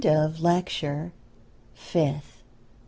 LECTURE SIXTH.